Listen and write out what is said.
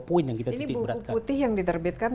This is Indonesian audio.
poin yang kita titik beratkan ini buku putih yang diterbitkan